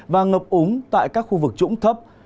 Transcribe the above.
và ngập úng tại các khu vực trũng thấp